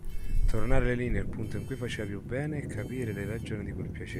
Tornare lì nel punto in cui faceva più bene e capire le ragioni di quel piacere.